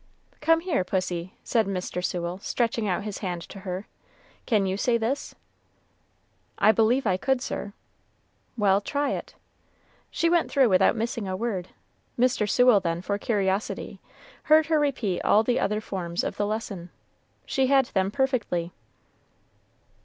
"Come here, pussy," said Mr. Sewell, stretching out his hand to her. "Can you say this?" "I believe I could, sir." "Well, try it." She went through without missing a word. Mr. Sewell then, for curiosity, heard her repeat all the other forms of the lesson. She had them perfectly.